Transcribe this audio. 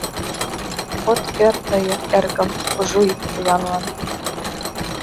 От ӧр тые, эргым, кужу ӱп поянлан